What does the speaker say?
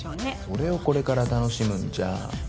それをこれから楽しむんじゃん。